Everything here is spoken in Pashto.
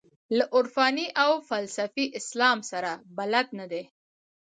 له عرفاني او فلسفي اسلام سره بلد نه دي.